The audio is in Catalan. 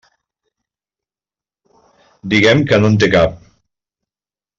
Diguem que no en té cap.